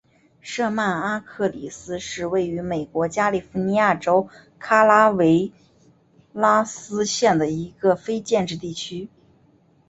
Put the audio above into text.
舍曼阿克里斯是位于美国加利福尼亚州卡拉韦拉斯县的一个非建制地区。